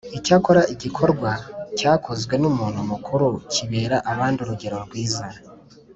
Icyakora igikorwa cyakozwe n’ umuntu mukuru kibera abandi urugero twiza